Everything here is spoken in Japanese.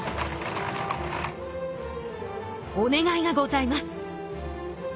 「お願いがございます！」。